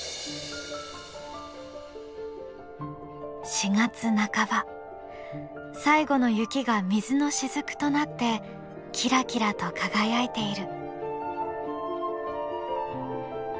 ４月半ば最後の雪が水の滴となってキラキラと輝いている。